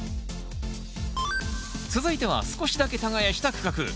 続いては少しだけ耕した区画。